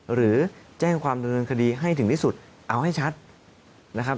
หรือแจ้งความดำเนินคดีให้ถึงที่สุดเอาให้ชัดนะครับ